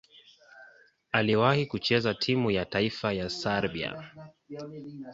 Aliwahi kucheza timu ya taifa ya Serbia.